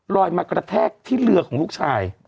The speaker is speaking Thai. ลอยมากระแทกที่เรือของลูกชาย